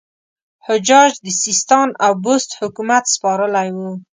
حجاج د سیستان او بست حکومت سپارلی وو.